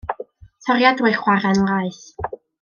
Toriad drwy chwarren laeth.